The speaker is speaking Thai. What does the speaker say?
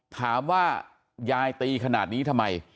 ถามว่ายายตีขนาดนี้ทำไม